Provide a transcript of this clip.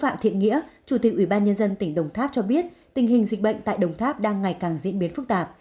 chủ tịch ủy ban nhân dân tỉnh đồng tháp cho biết tình hình dịch bệnh tại đồng tháp đang ngày càng diễn biến phức tạp